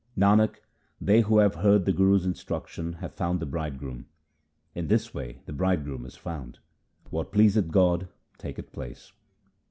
Nanak, they who have heard the Guru's instruction, have found the Bridegroom. In this way the Bridegroom is found ; what pleaseth God taketh place.